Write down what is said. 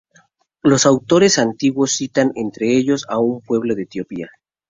Los autores antiguos citan entre ellos a un pueblo de Etiopía.